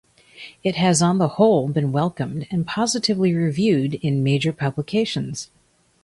It has on the whole been welcomed and positively reviewed in major publications.